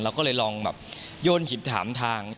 เราก็เลยลองแบบโยนหินถามทาง